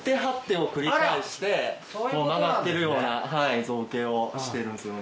曲がってるような造形をしてるんですよね。